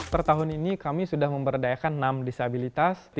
setahun ini kami sudah memperdayakan enam disabilitas